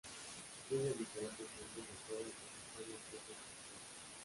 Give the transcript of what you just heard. Tiene diferentes nombres de acuerdo al territorio en que es ejecutado.